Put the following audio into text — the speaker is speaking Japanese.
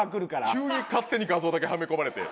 急に勝手に画像だけはめ込まれて。